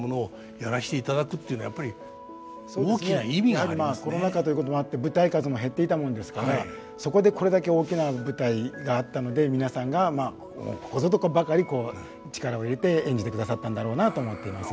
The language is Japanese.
やはりコロナ禍ということもあって舞台数も減っていたもんですからそこでこれだけ大きな舞台があったので皆さんがここぞとばかりこう力を入れて演じてくださったんだろうなと思っています。